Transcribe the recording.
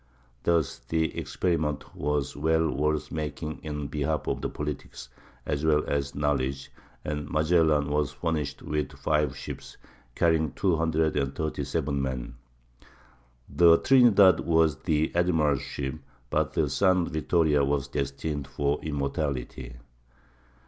Thus the experiment was well worth making in behalf of politics as well as knowledge, and Magellan was furnished with five ships, carrying two hundred and thirty seven men. The Trinidad was the admiral's ship; but the San Vittoria was destined for immortality.